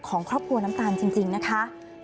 ของครอบครัวน้ำตาลจริงนะคะ